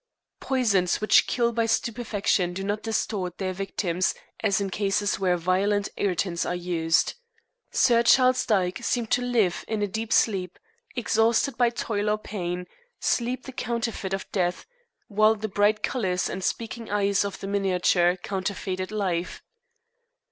Poisons which kill by stupefaction do not distort their victims as in cases where violent irritants are used. Sir Charles Dyke seemed to live in a deep sleep, exhausted by toil or pain sleep the counterfeit of death while the bright colors and speaking eyes of the miniature counterfeited life.